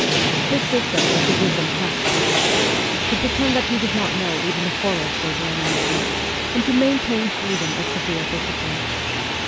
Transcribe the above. His system was to give them carte blanche ; to pretend that he did not know even the horrors they were enacting ; and to maintain through them a severe dis cipline.